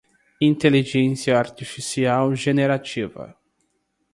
Inteligência artificial generativa